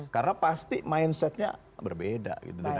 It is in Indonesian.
karena pasti mindsetnya berbeda gitu